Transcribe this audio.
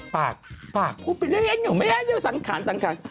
ปากปากพูดไปเลยไอ้นุ้ยแม่สังขาด